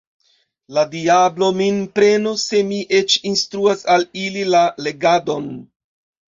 La diablo min prenu se mi eĉ instruas al ili la legadon!